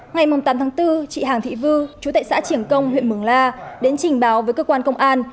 ngày tám tháng bốn chị hàng thị vư chú tại xã triển công huyện mường la đến trình báo với cơ quan công an